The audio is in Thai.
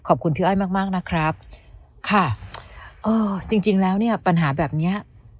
ขอบคุณพี่อ้อยมากมากนะครับค่ะเออจริงจริงแล้วเนี่ยปัญหาแบบเนี้ย